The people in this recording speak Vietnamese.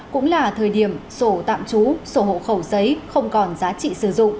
cũng là thời điểm sổ tạm trú sổ hộ khẩu giấy không còn giá trị sử dụng